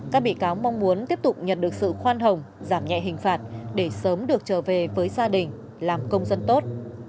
các bị cáo mong muốn tiếp tục nhận được sự khoan hồng giảm nhẹ hình phạt để sớm được trở về với gia đình làm công dân tốt